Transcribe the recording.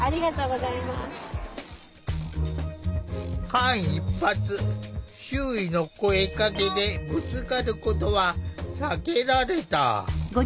間一髪周囲の声かけでぶつかることは避けられた。